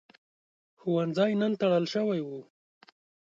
ښوونځی نن تړل شوی و.